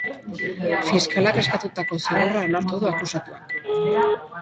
Fiskalak eskatutako zigorra onartu du akusatuak.